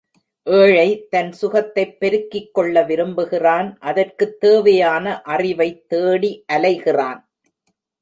ஏழை தன் சுகத்தைப் பெருக்கிக்கொள்ள விரும்புகிறான் அதற்குத் தேவையான அறிவைத் தேடி அலைகிறான்.